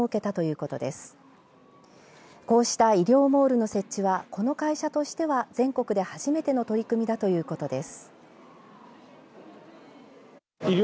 こうした医療モールの設置はこの会社としては全国で初めての取り組みだということです。